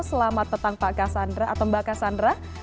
selamat petang pak kassandra atau mbak cassandra